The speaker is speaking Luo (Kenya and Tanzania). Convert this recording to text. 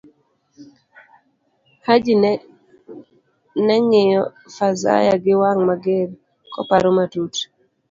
Haji neng'iyo Fazaya giwang ' mager, koparo matut.